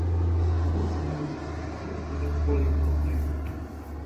Вон з маёй хаты, а то я цябе колікам агрэю.